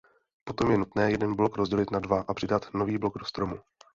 Potom je nutné jeden blok rozdělit na dva a přidat nový blok do stromu.